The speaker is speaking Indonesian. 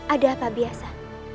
ada apa biasa